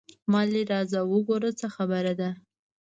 مالې راځه وګوره څه خبره ده.